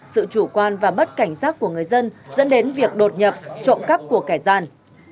sự chủ quan và mất cảnh sát của người dân dẫn đến việc đột nhập trộn cắp của cải gian